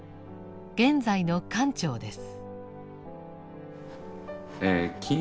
現在の館長です。